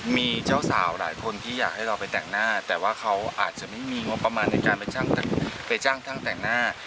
มีเจ้าสาวหลายคนที่อยากให้เราไปแต่งหน้าแต่ว่าเขาอาจจะไม่มีงบประมาณในการไปจ้างช่างแต่งหน้า